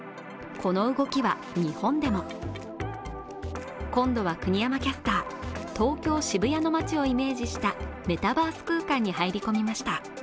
この動きは日本でも今度は国山キャスター、東京・渋谷の街をイメージしたメタバース空間に入り込みました。